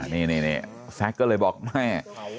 นี่แซ็กก็เลยบอกไม่